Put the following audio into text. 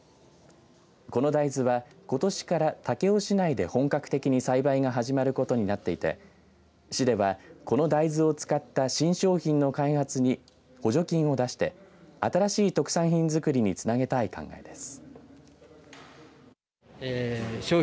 この大豆はことしから武雄市内で本格的に栽培が始まることになっていて市では、この大豆を使った新商品の開発に補助金を出して新しい特産品づくりにつなげたい考えです。